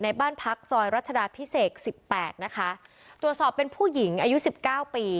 บ้านพักซอยรัชดาพิเศษสิบแปดนะคะตรวจสอบเป็นผู้หญิงอายุสิบเก้าปี